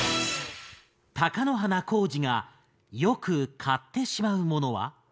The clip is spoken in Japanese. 貴乃花光司がよく買ってしまうものは？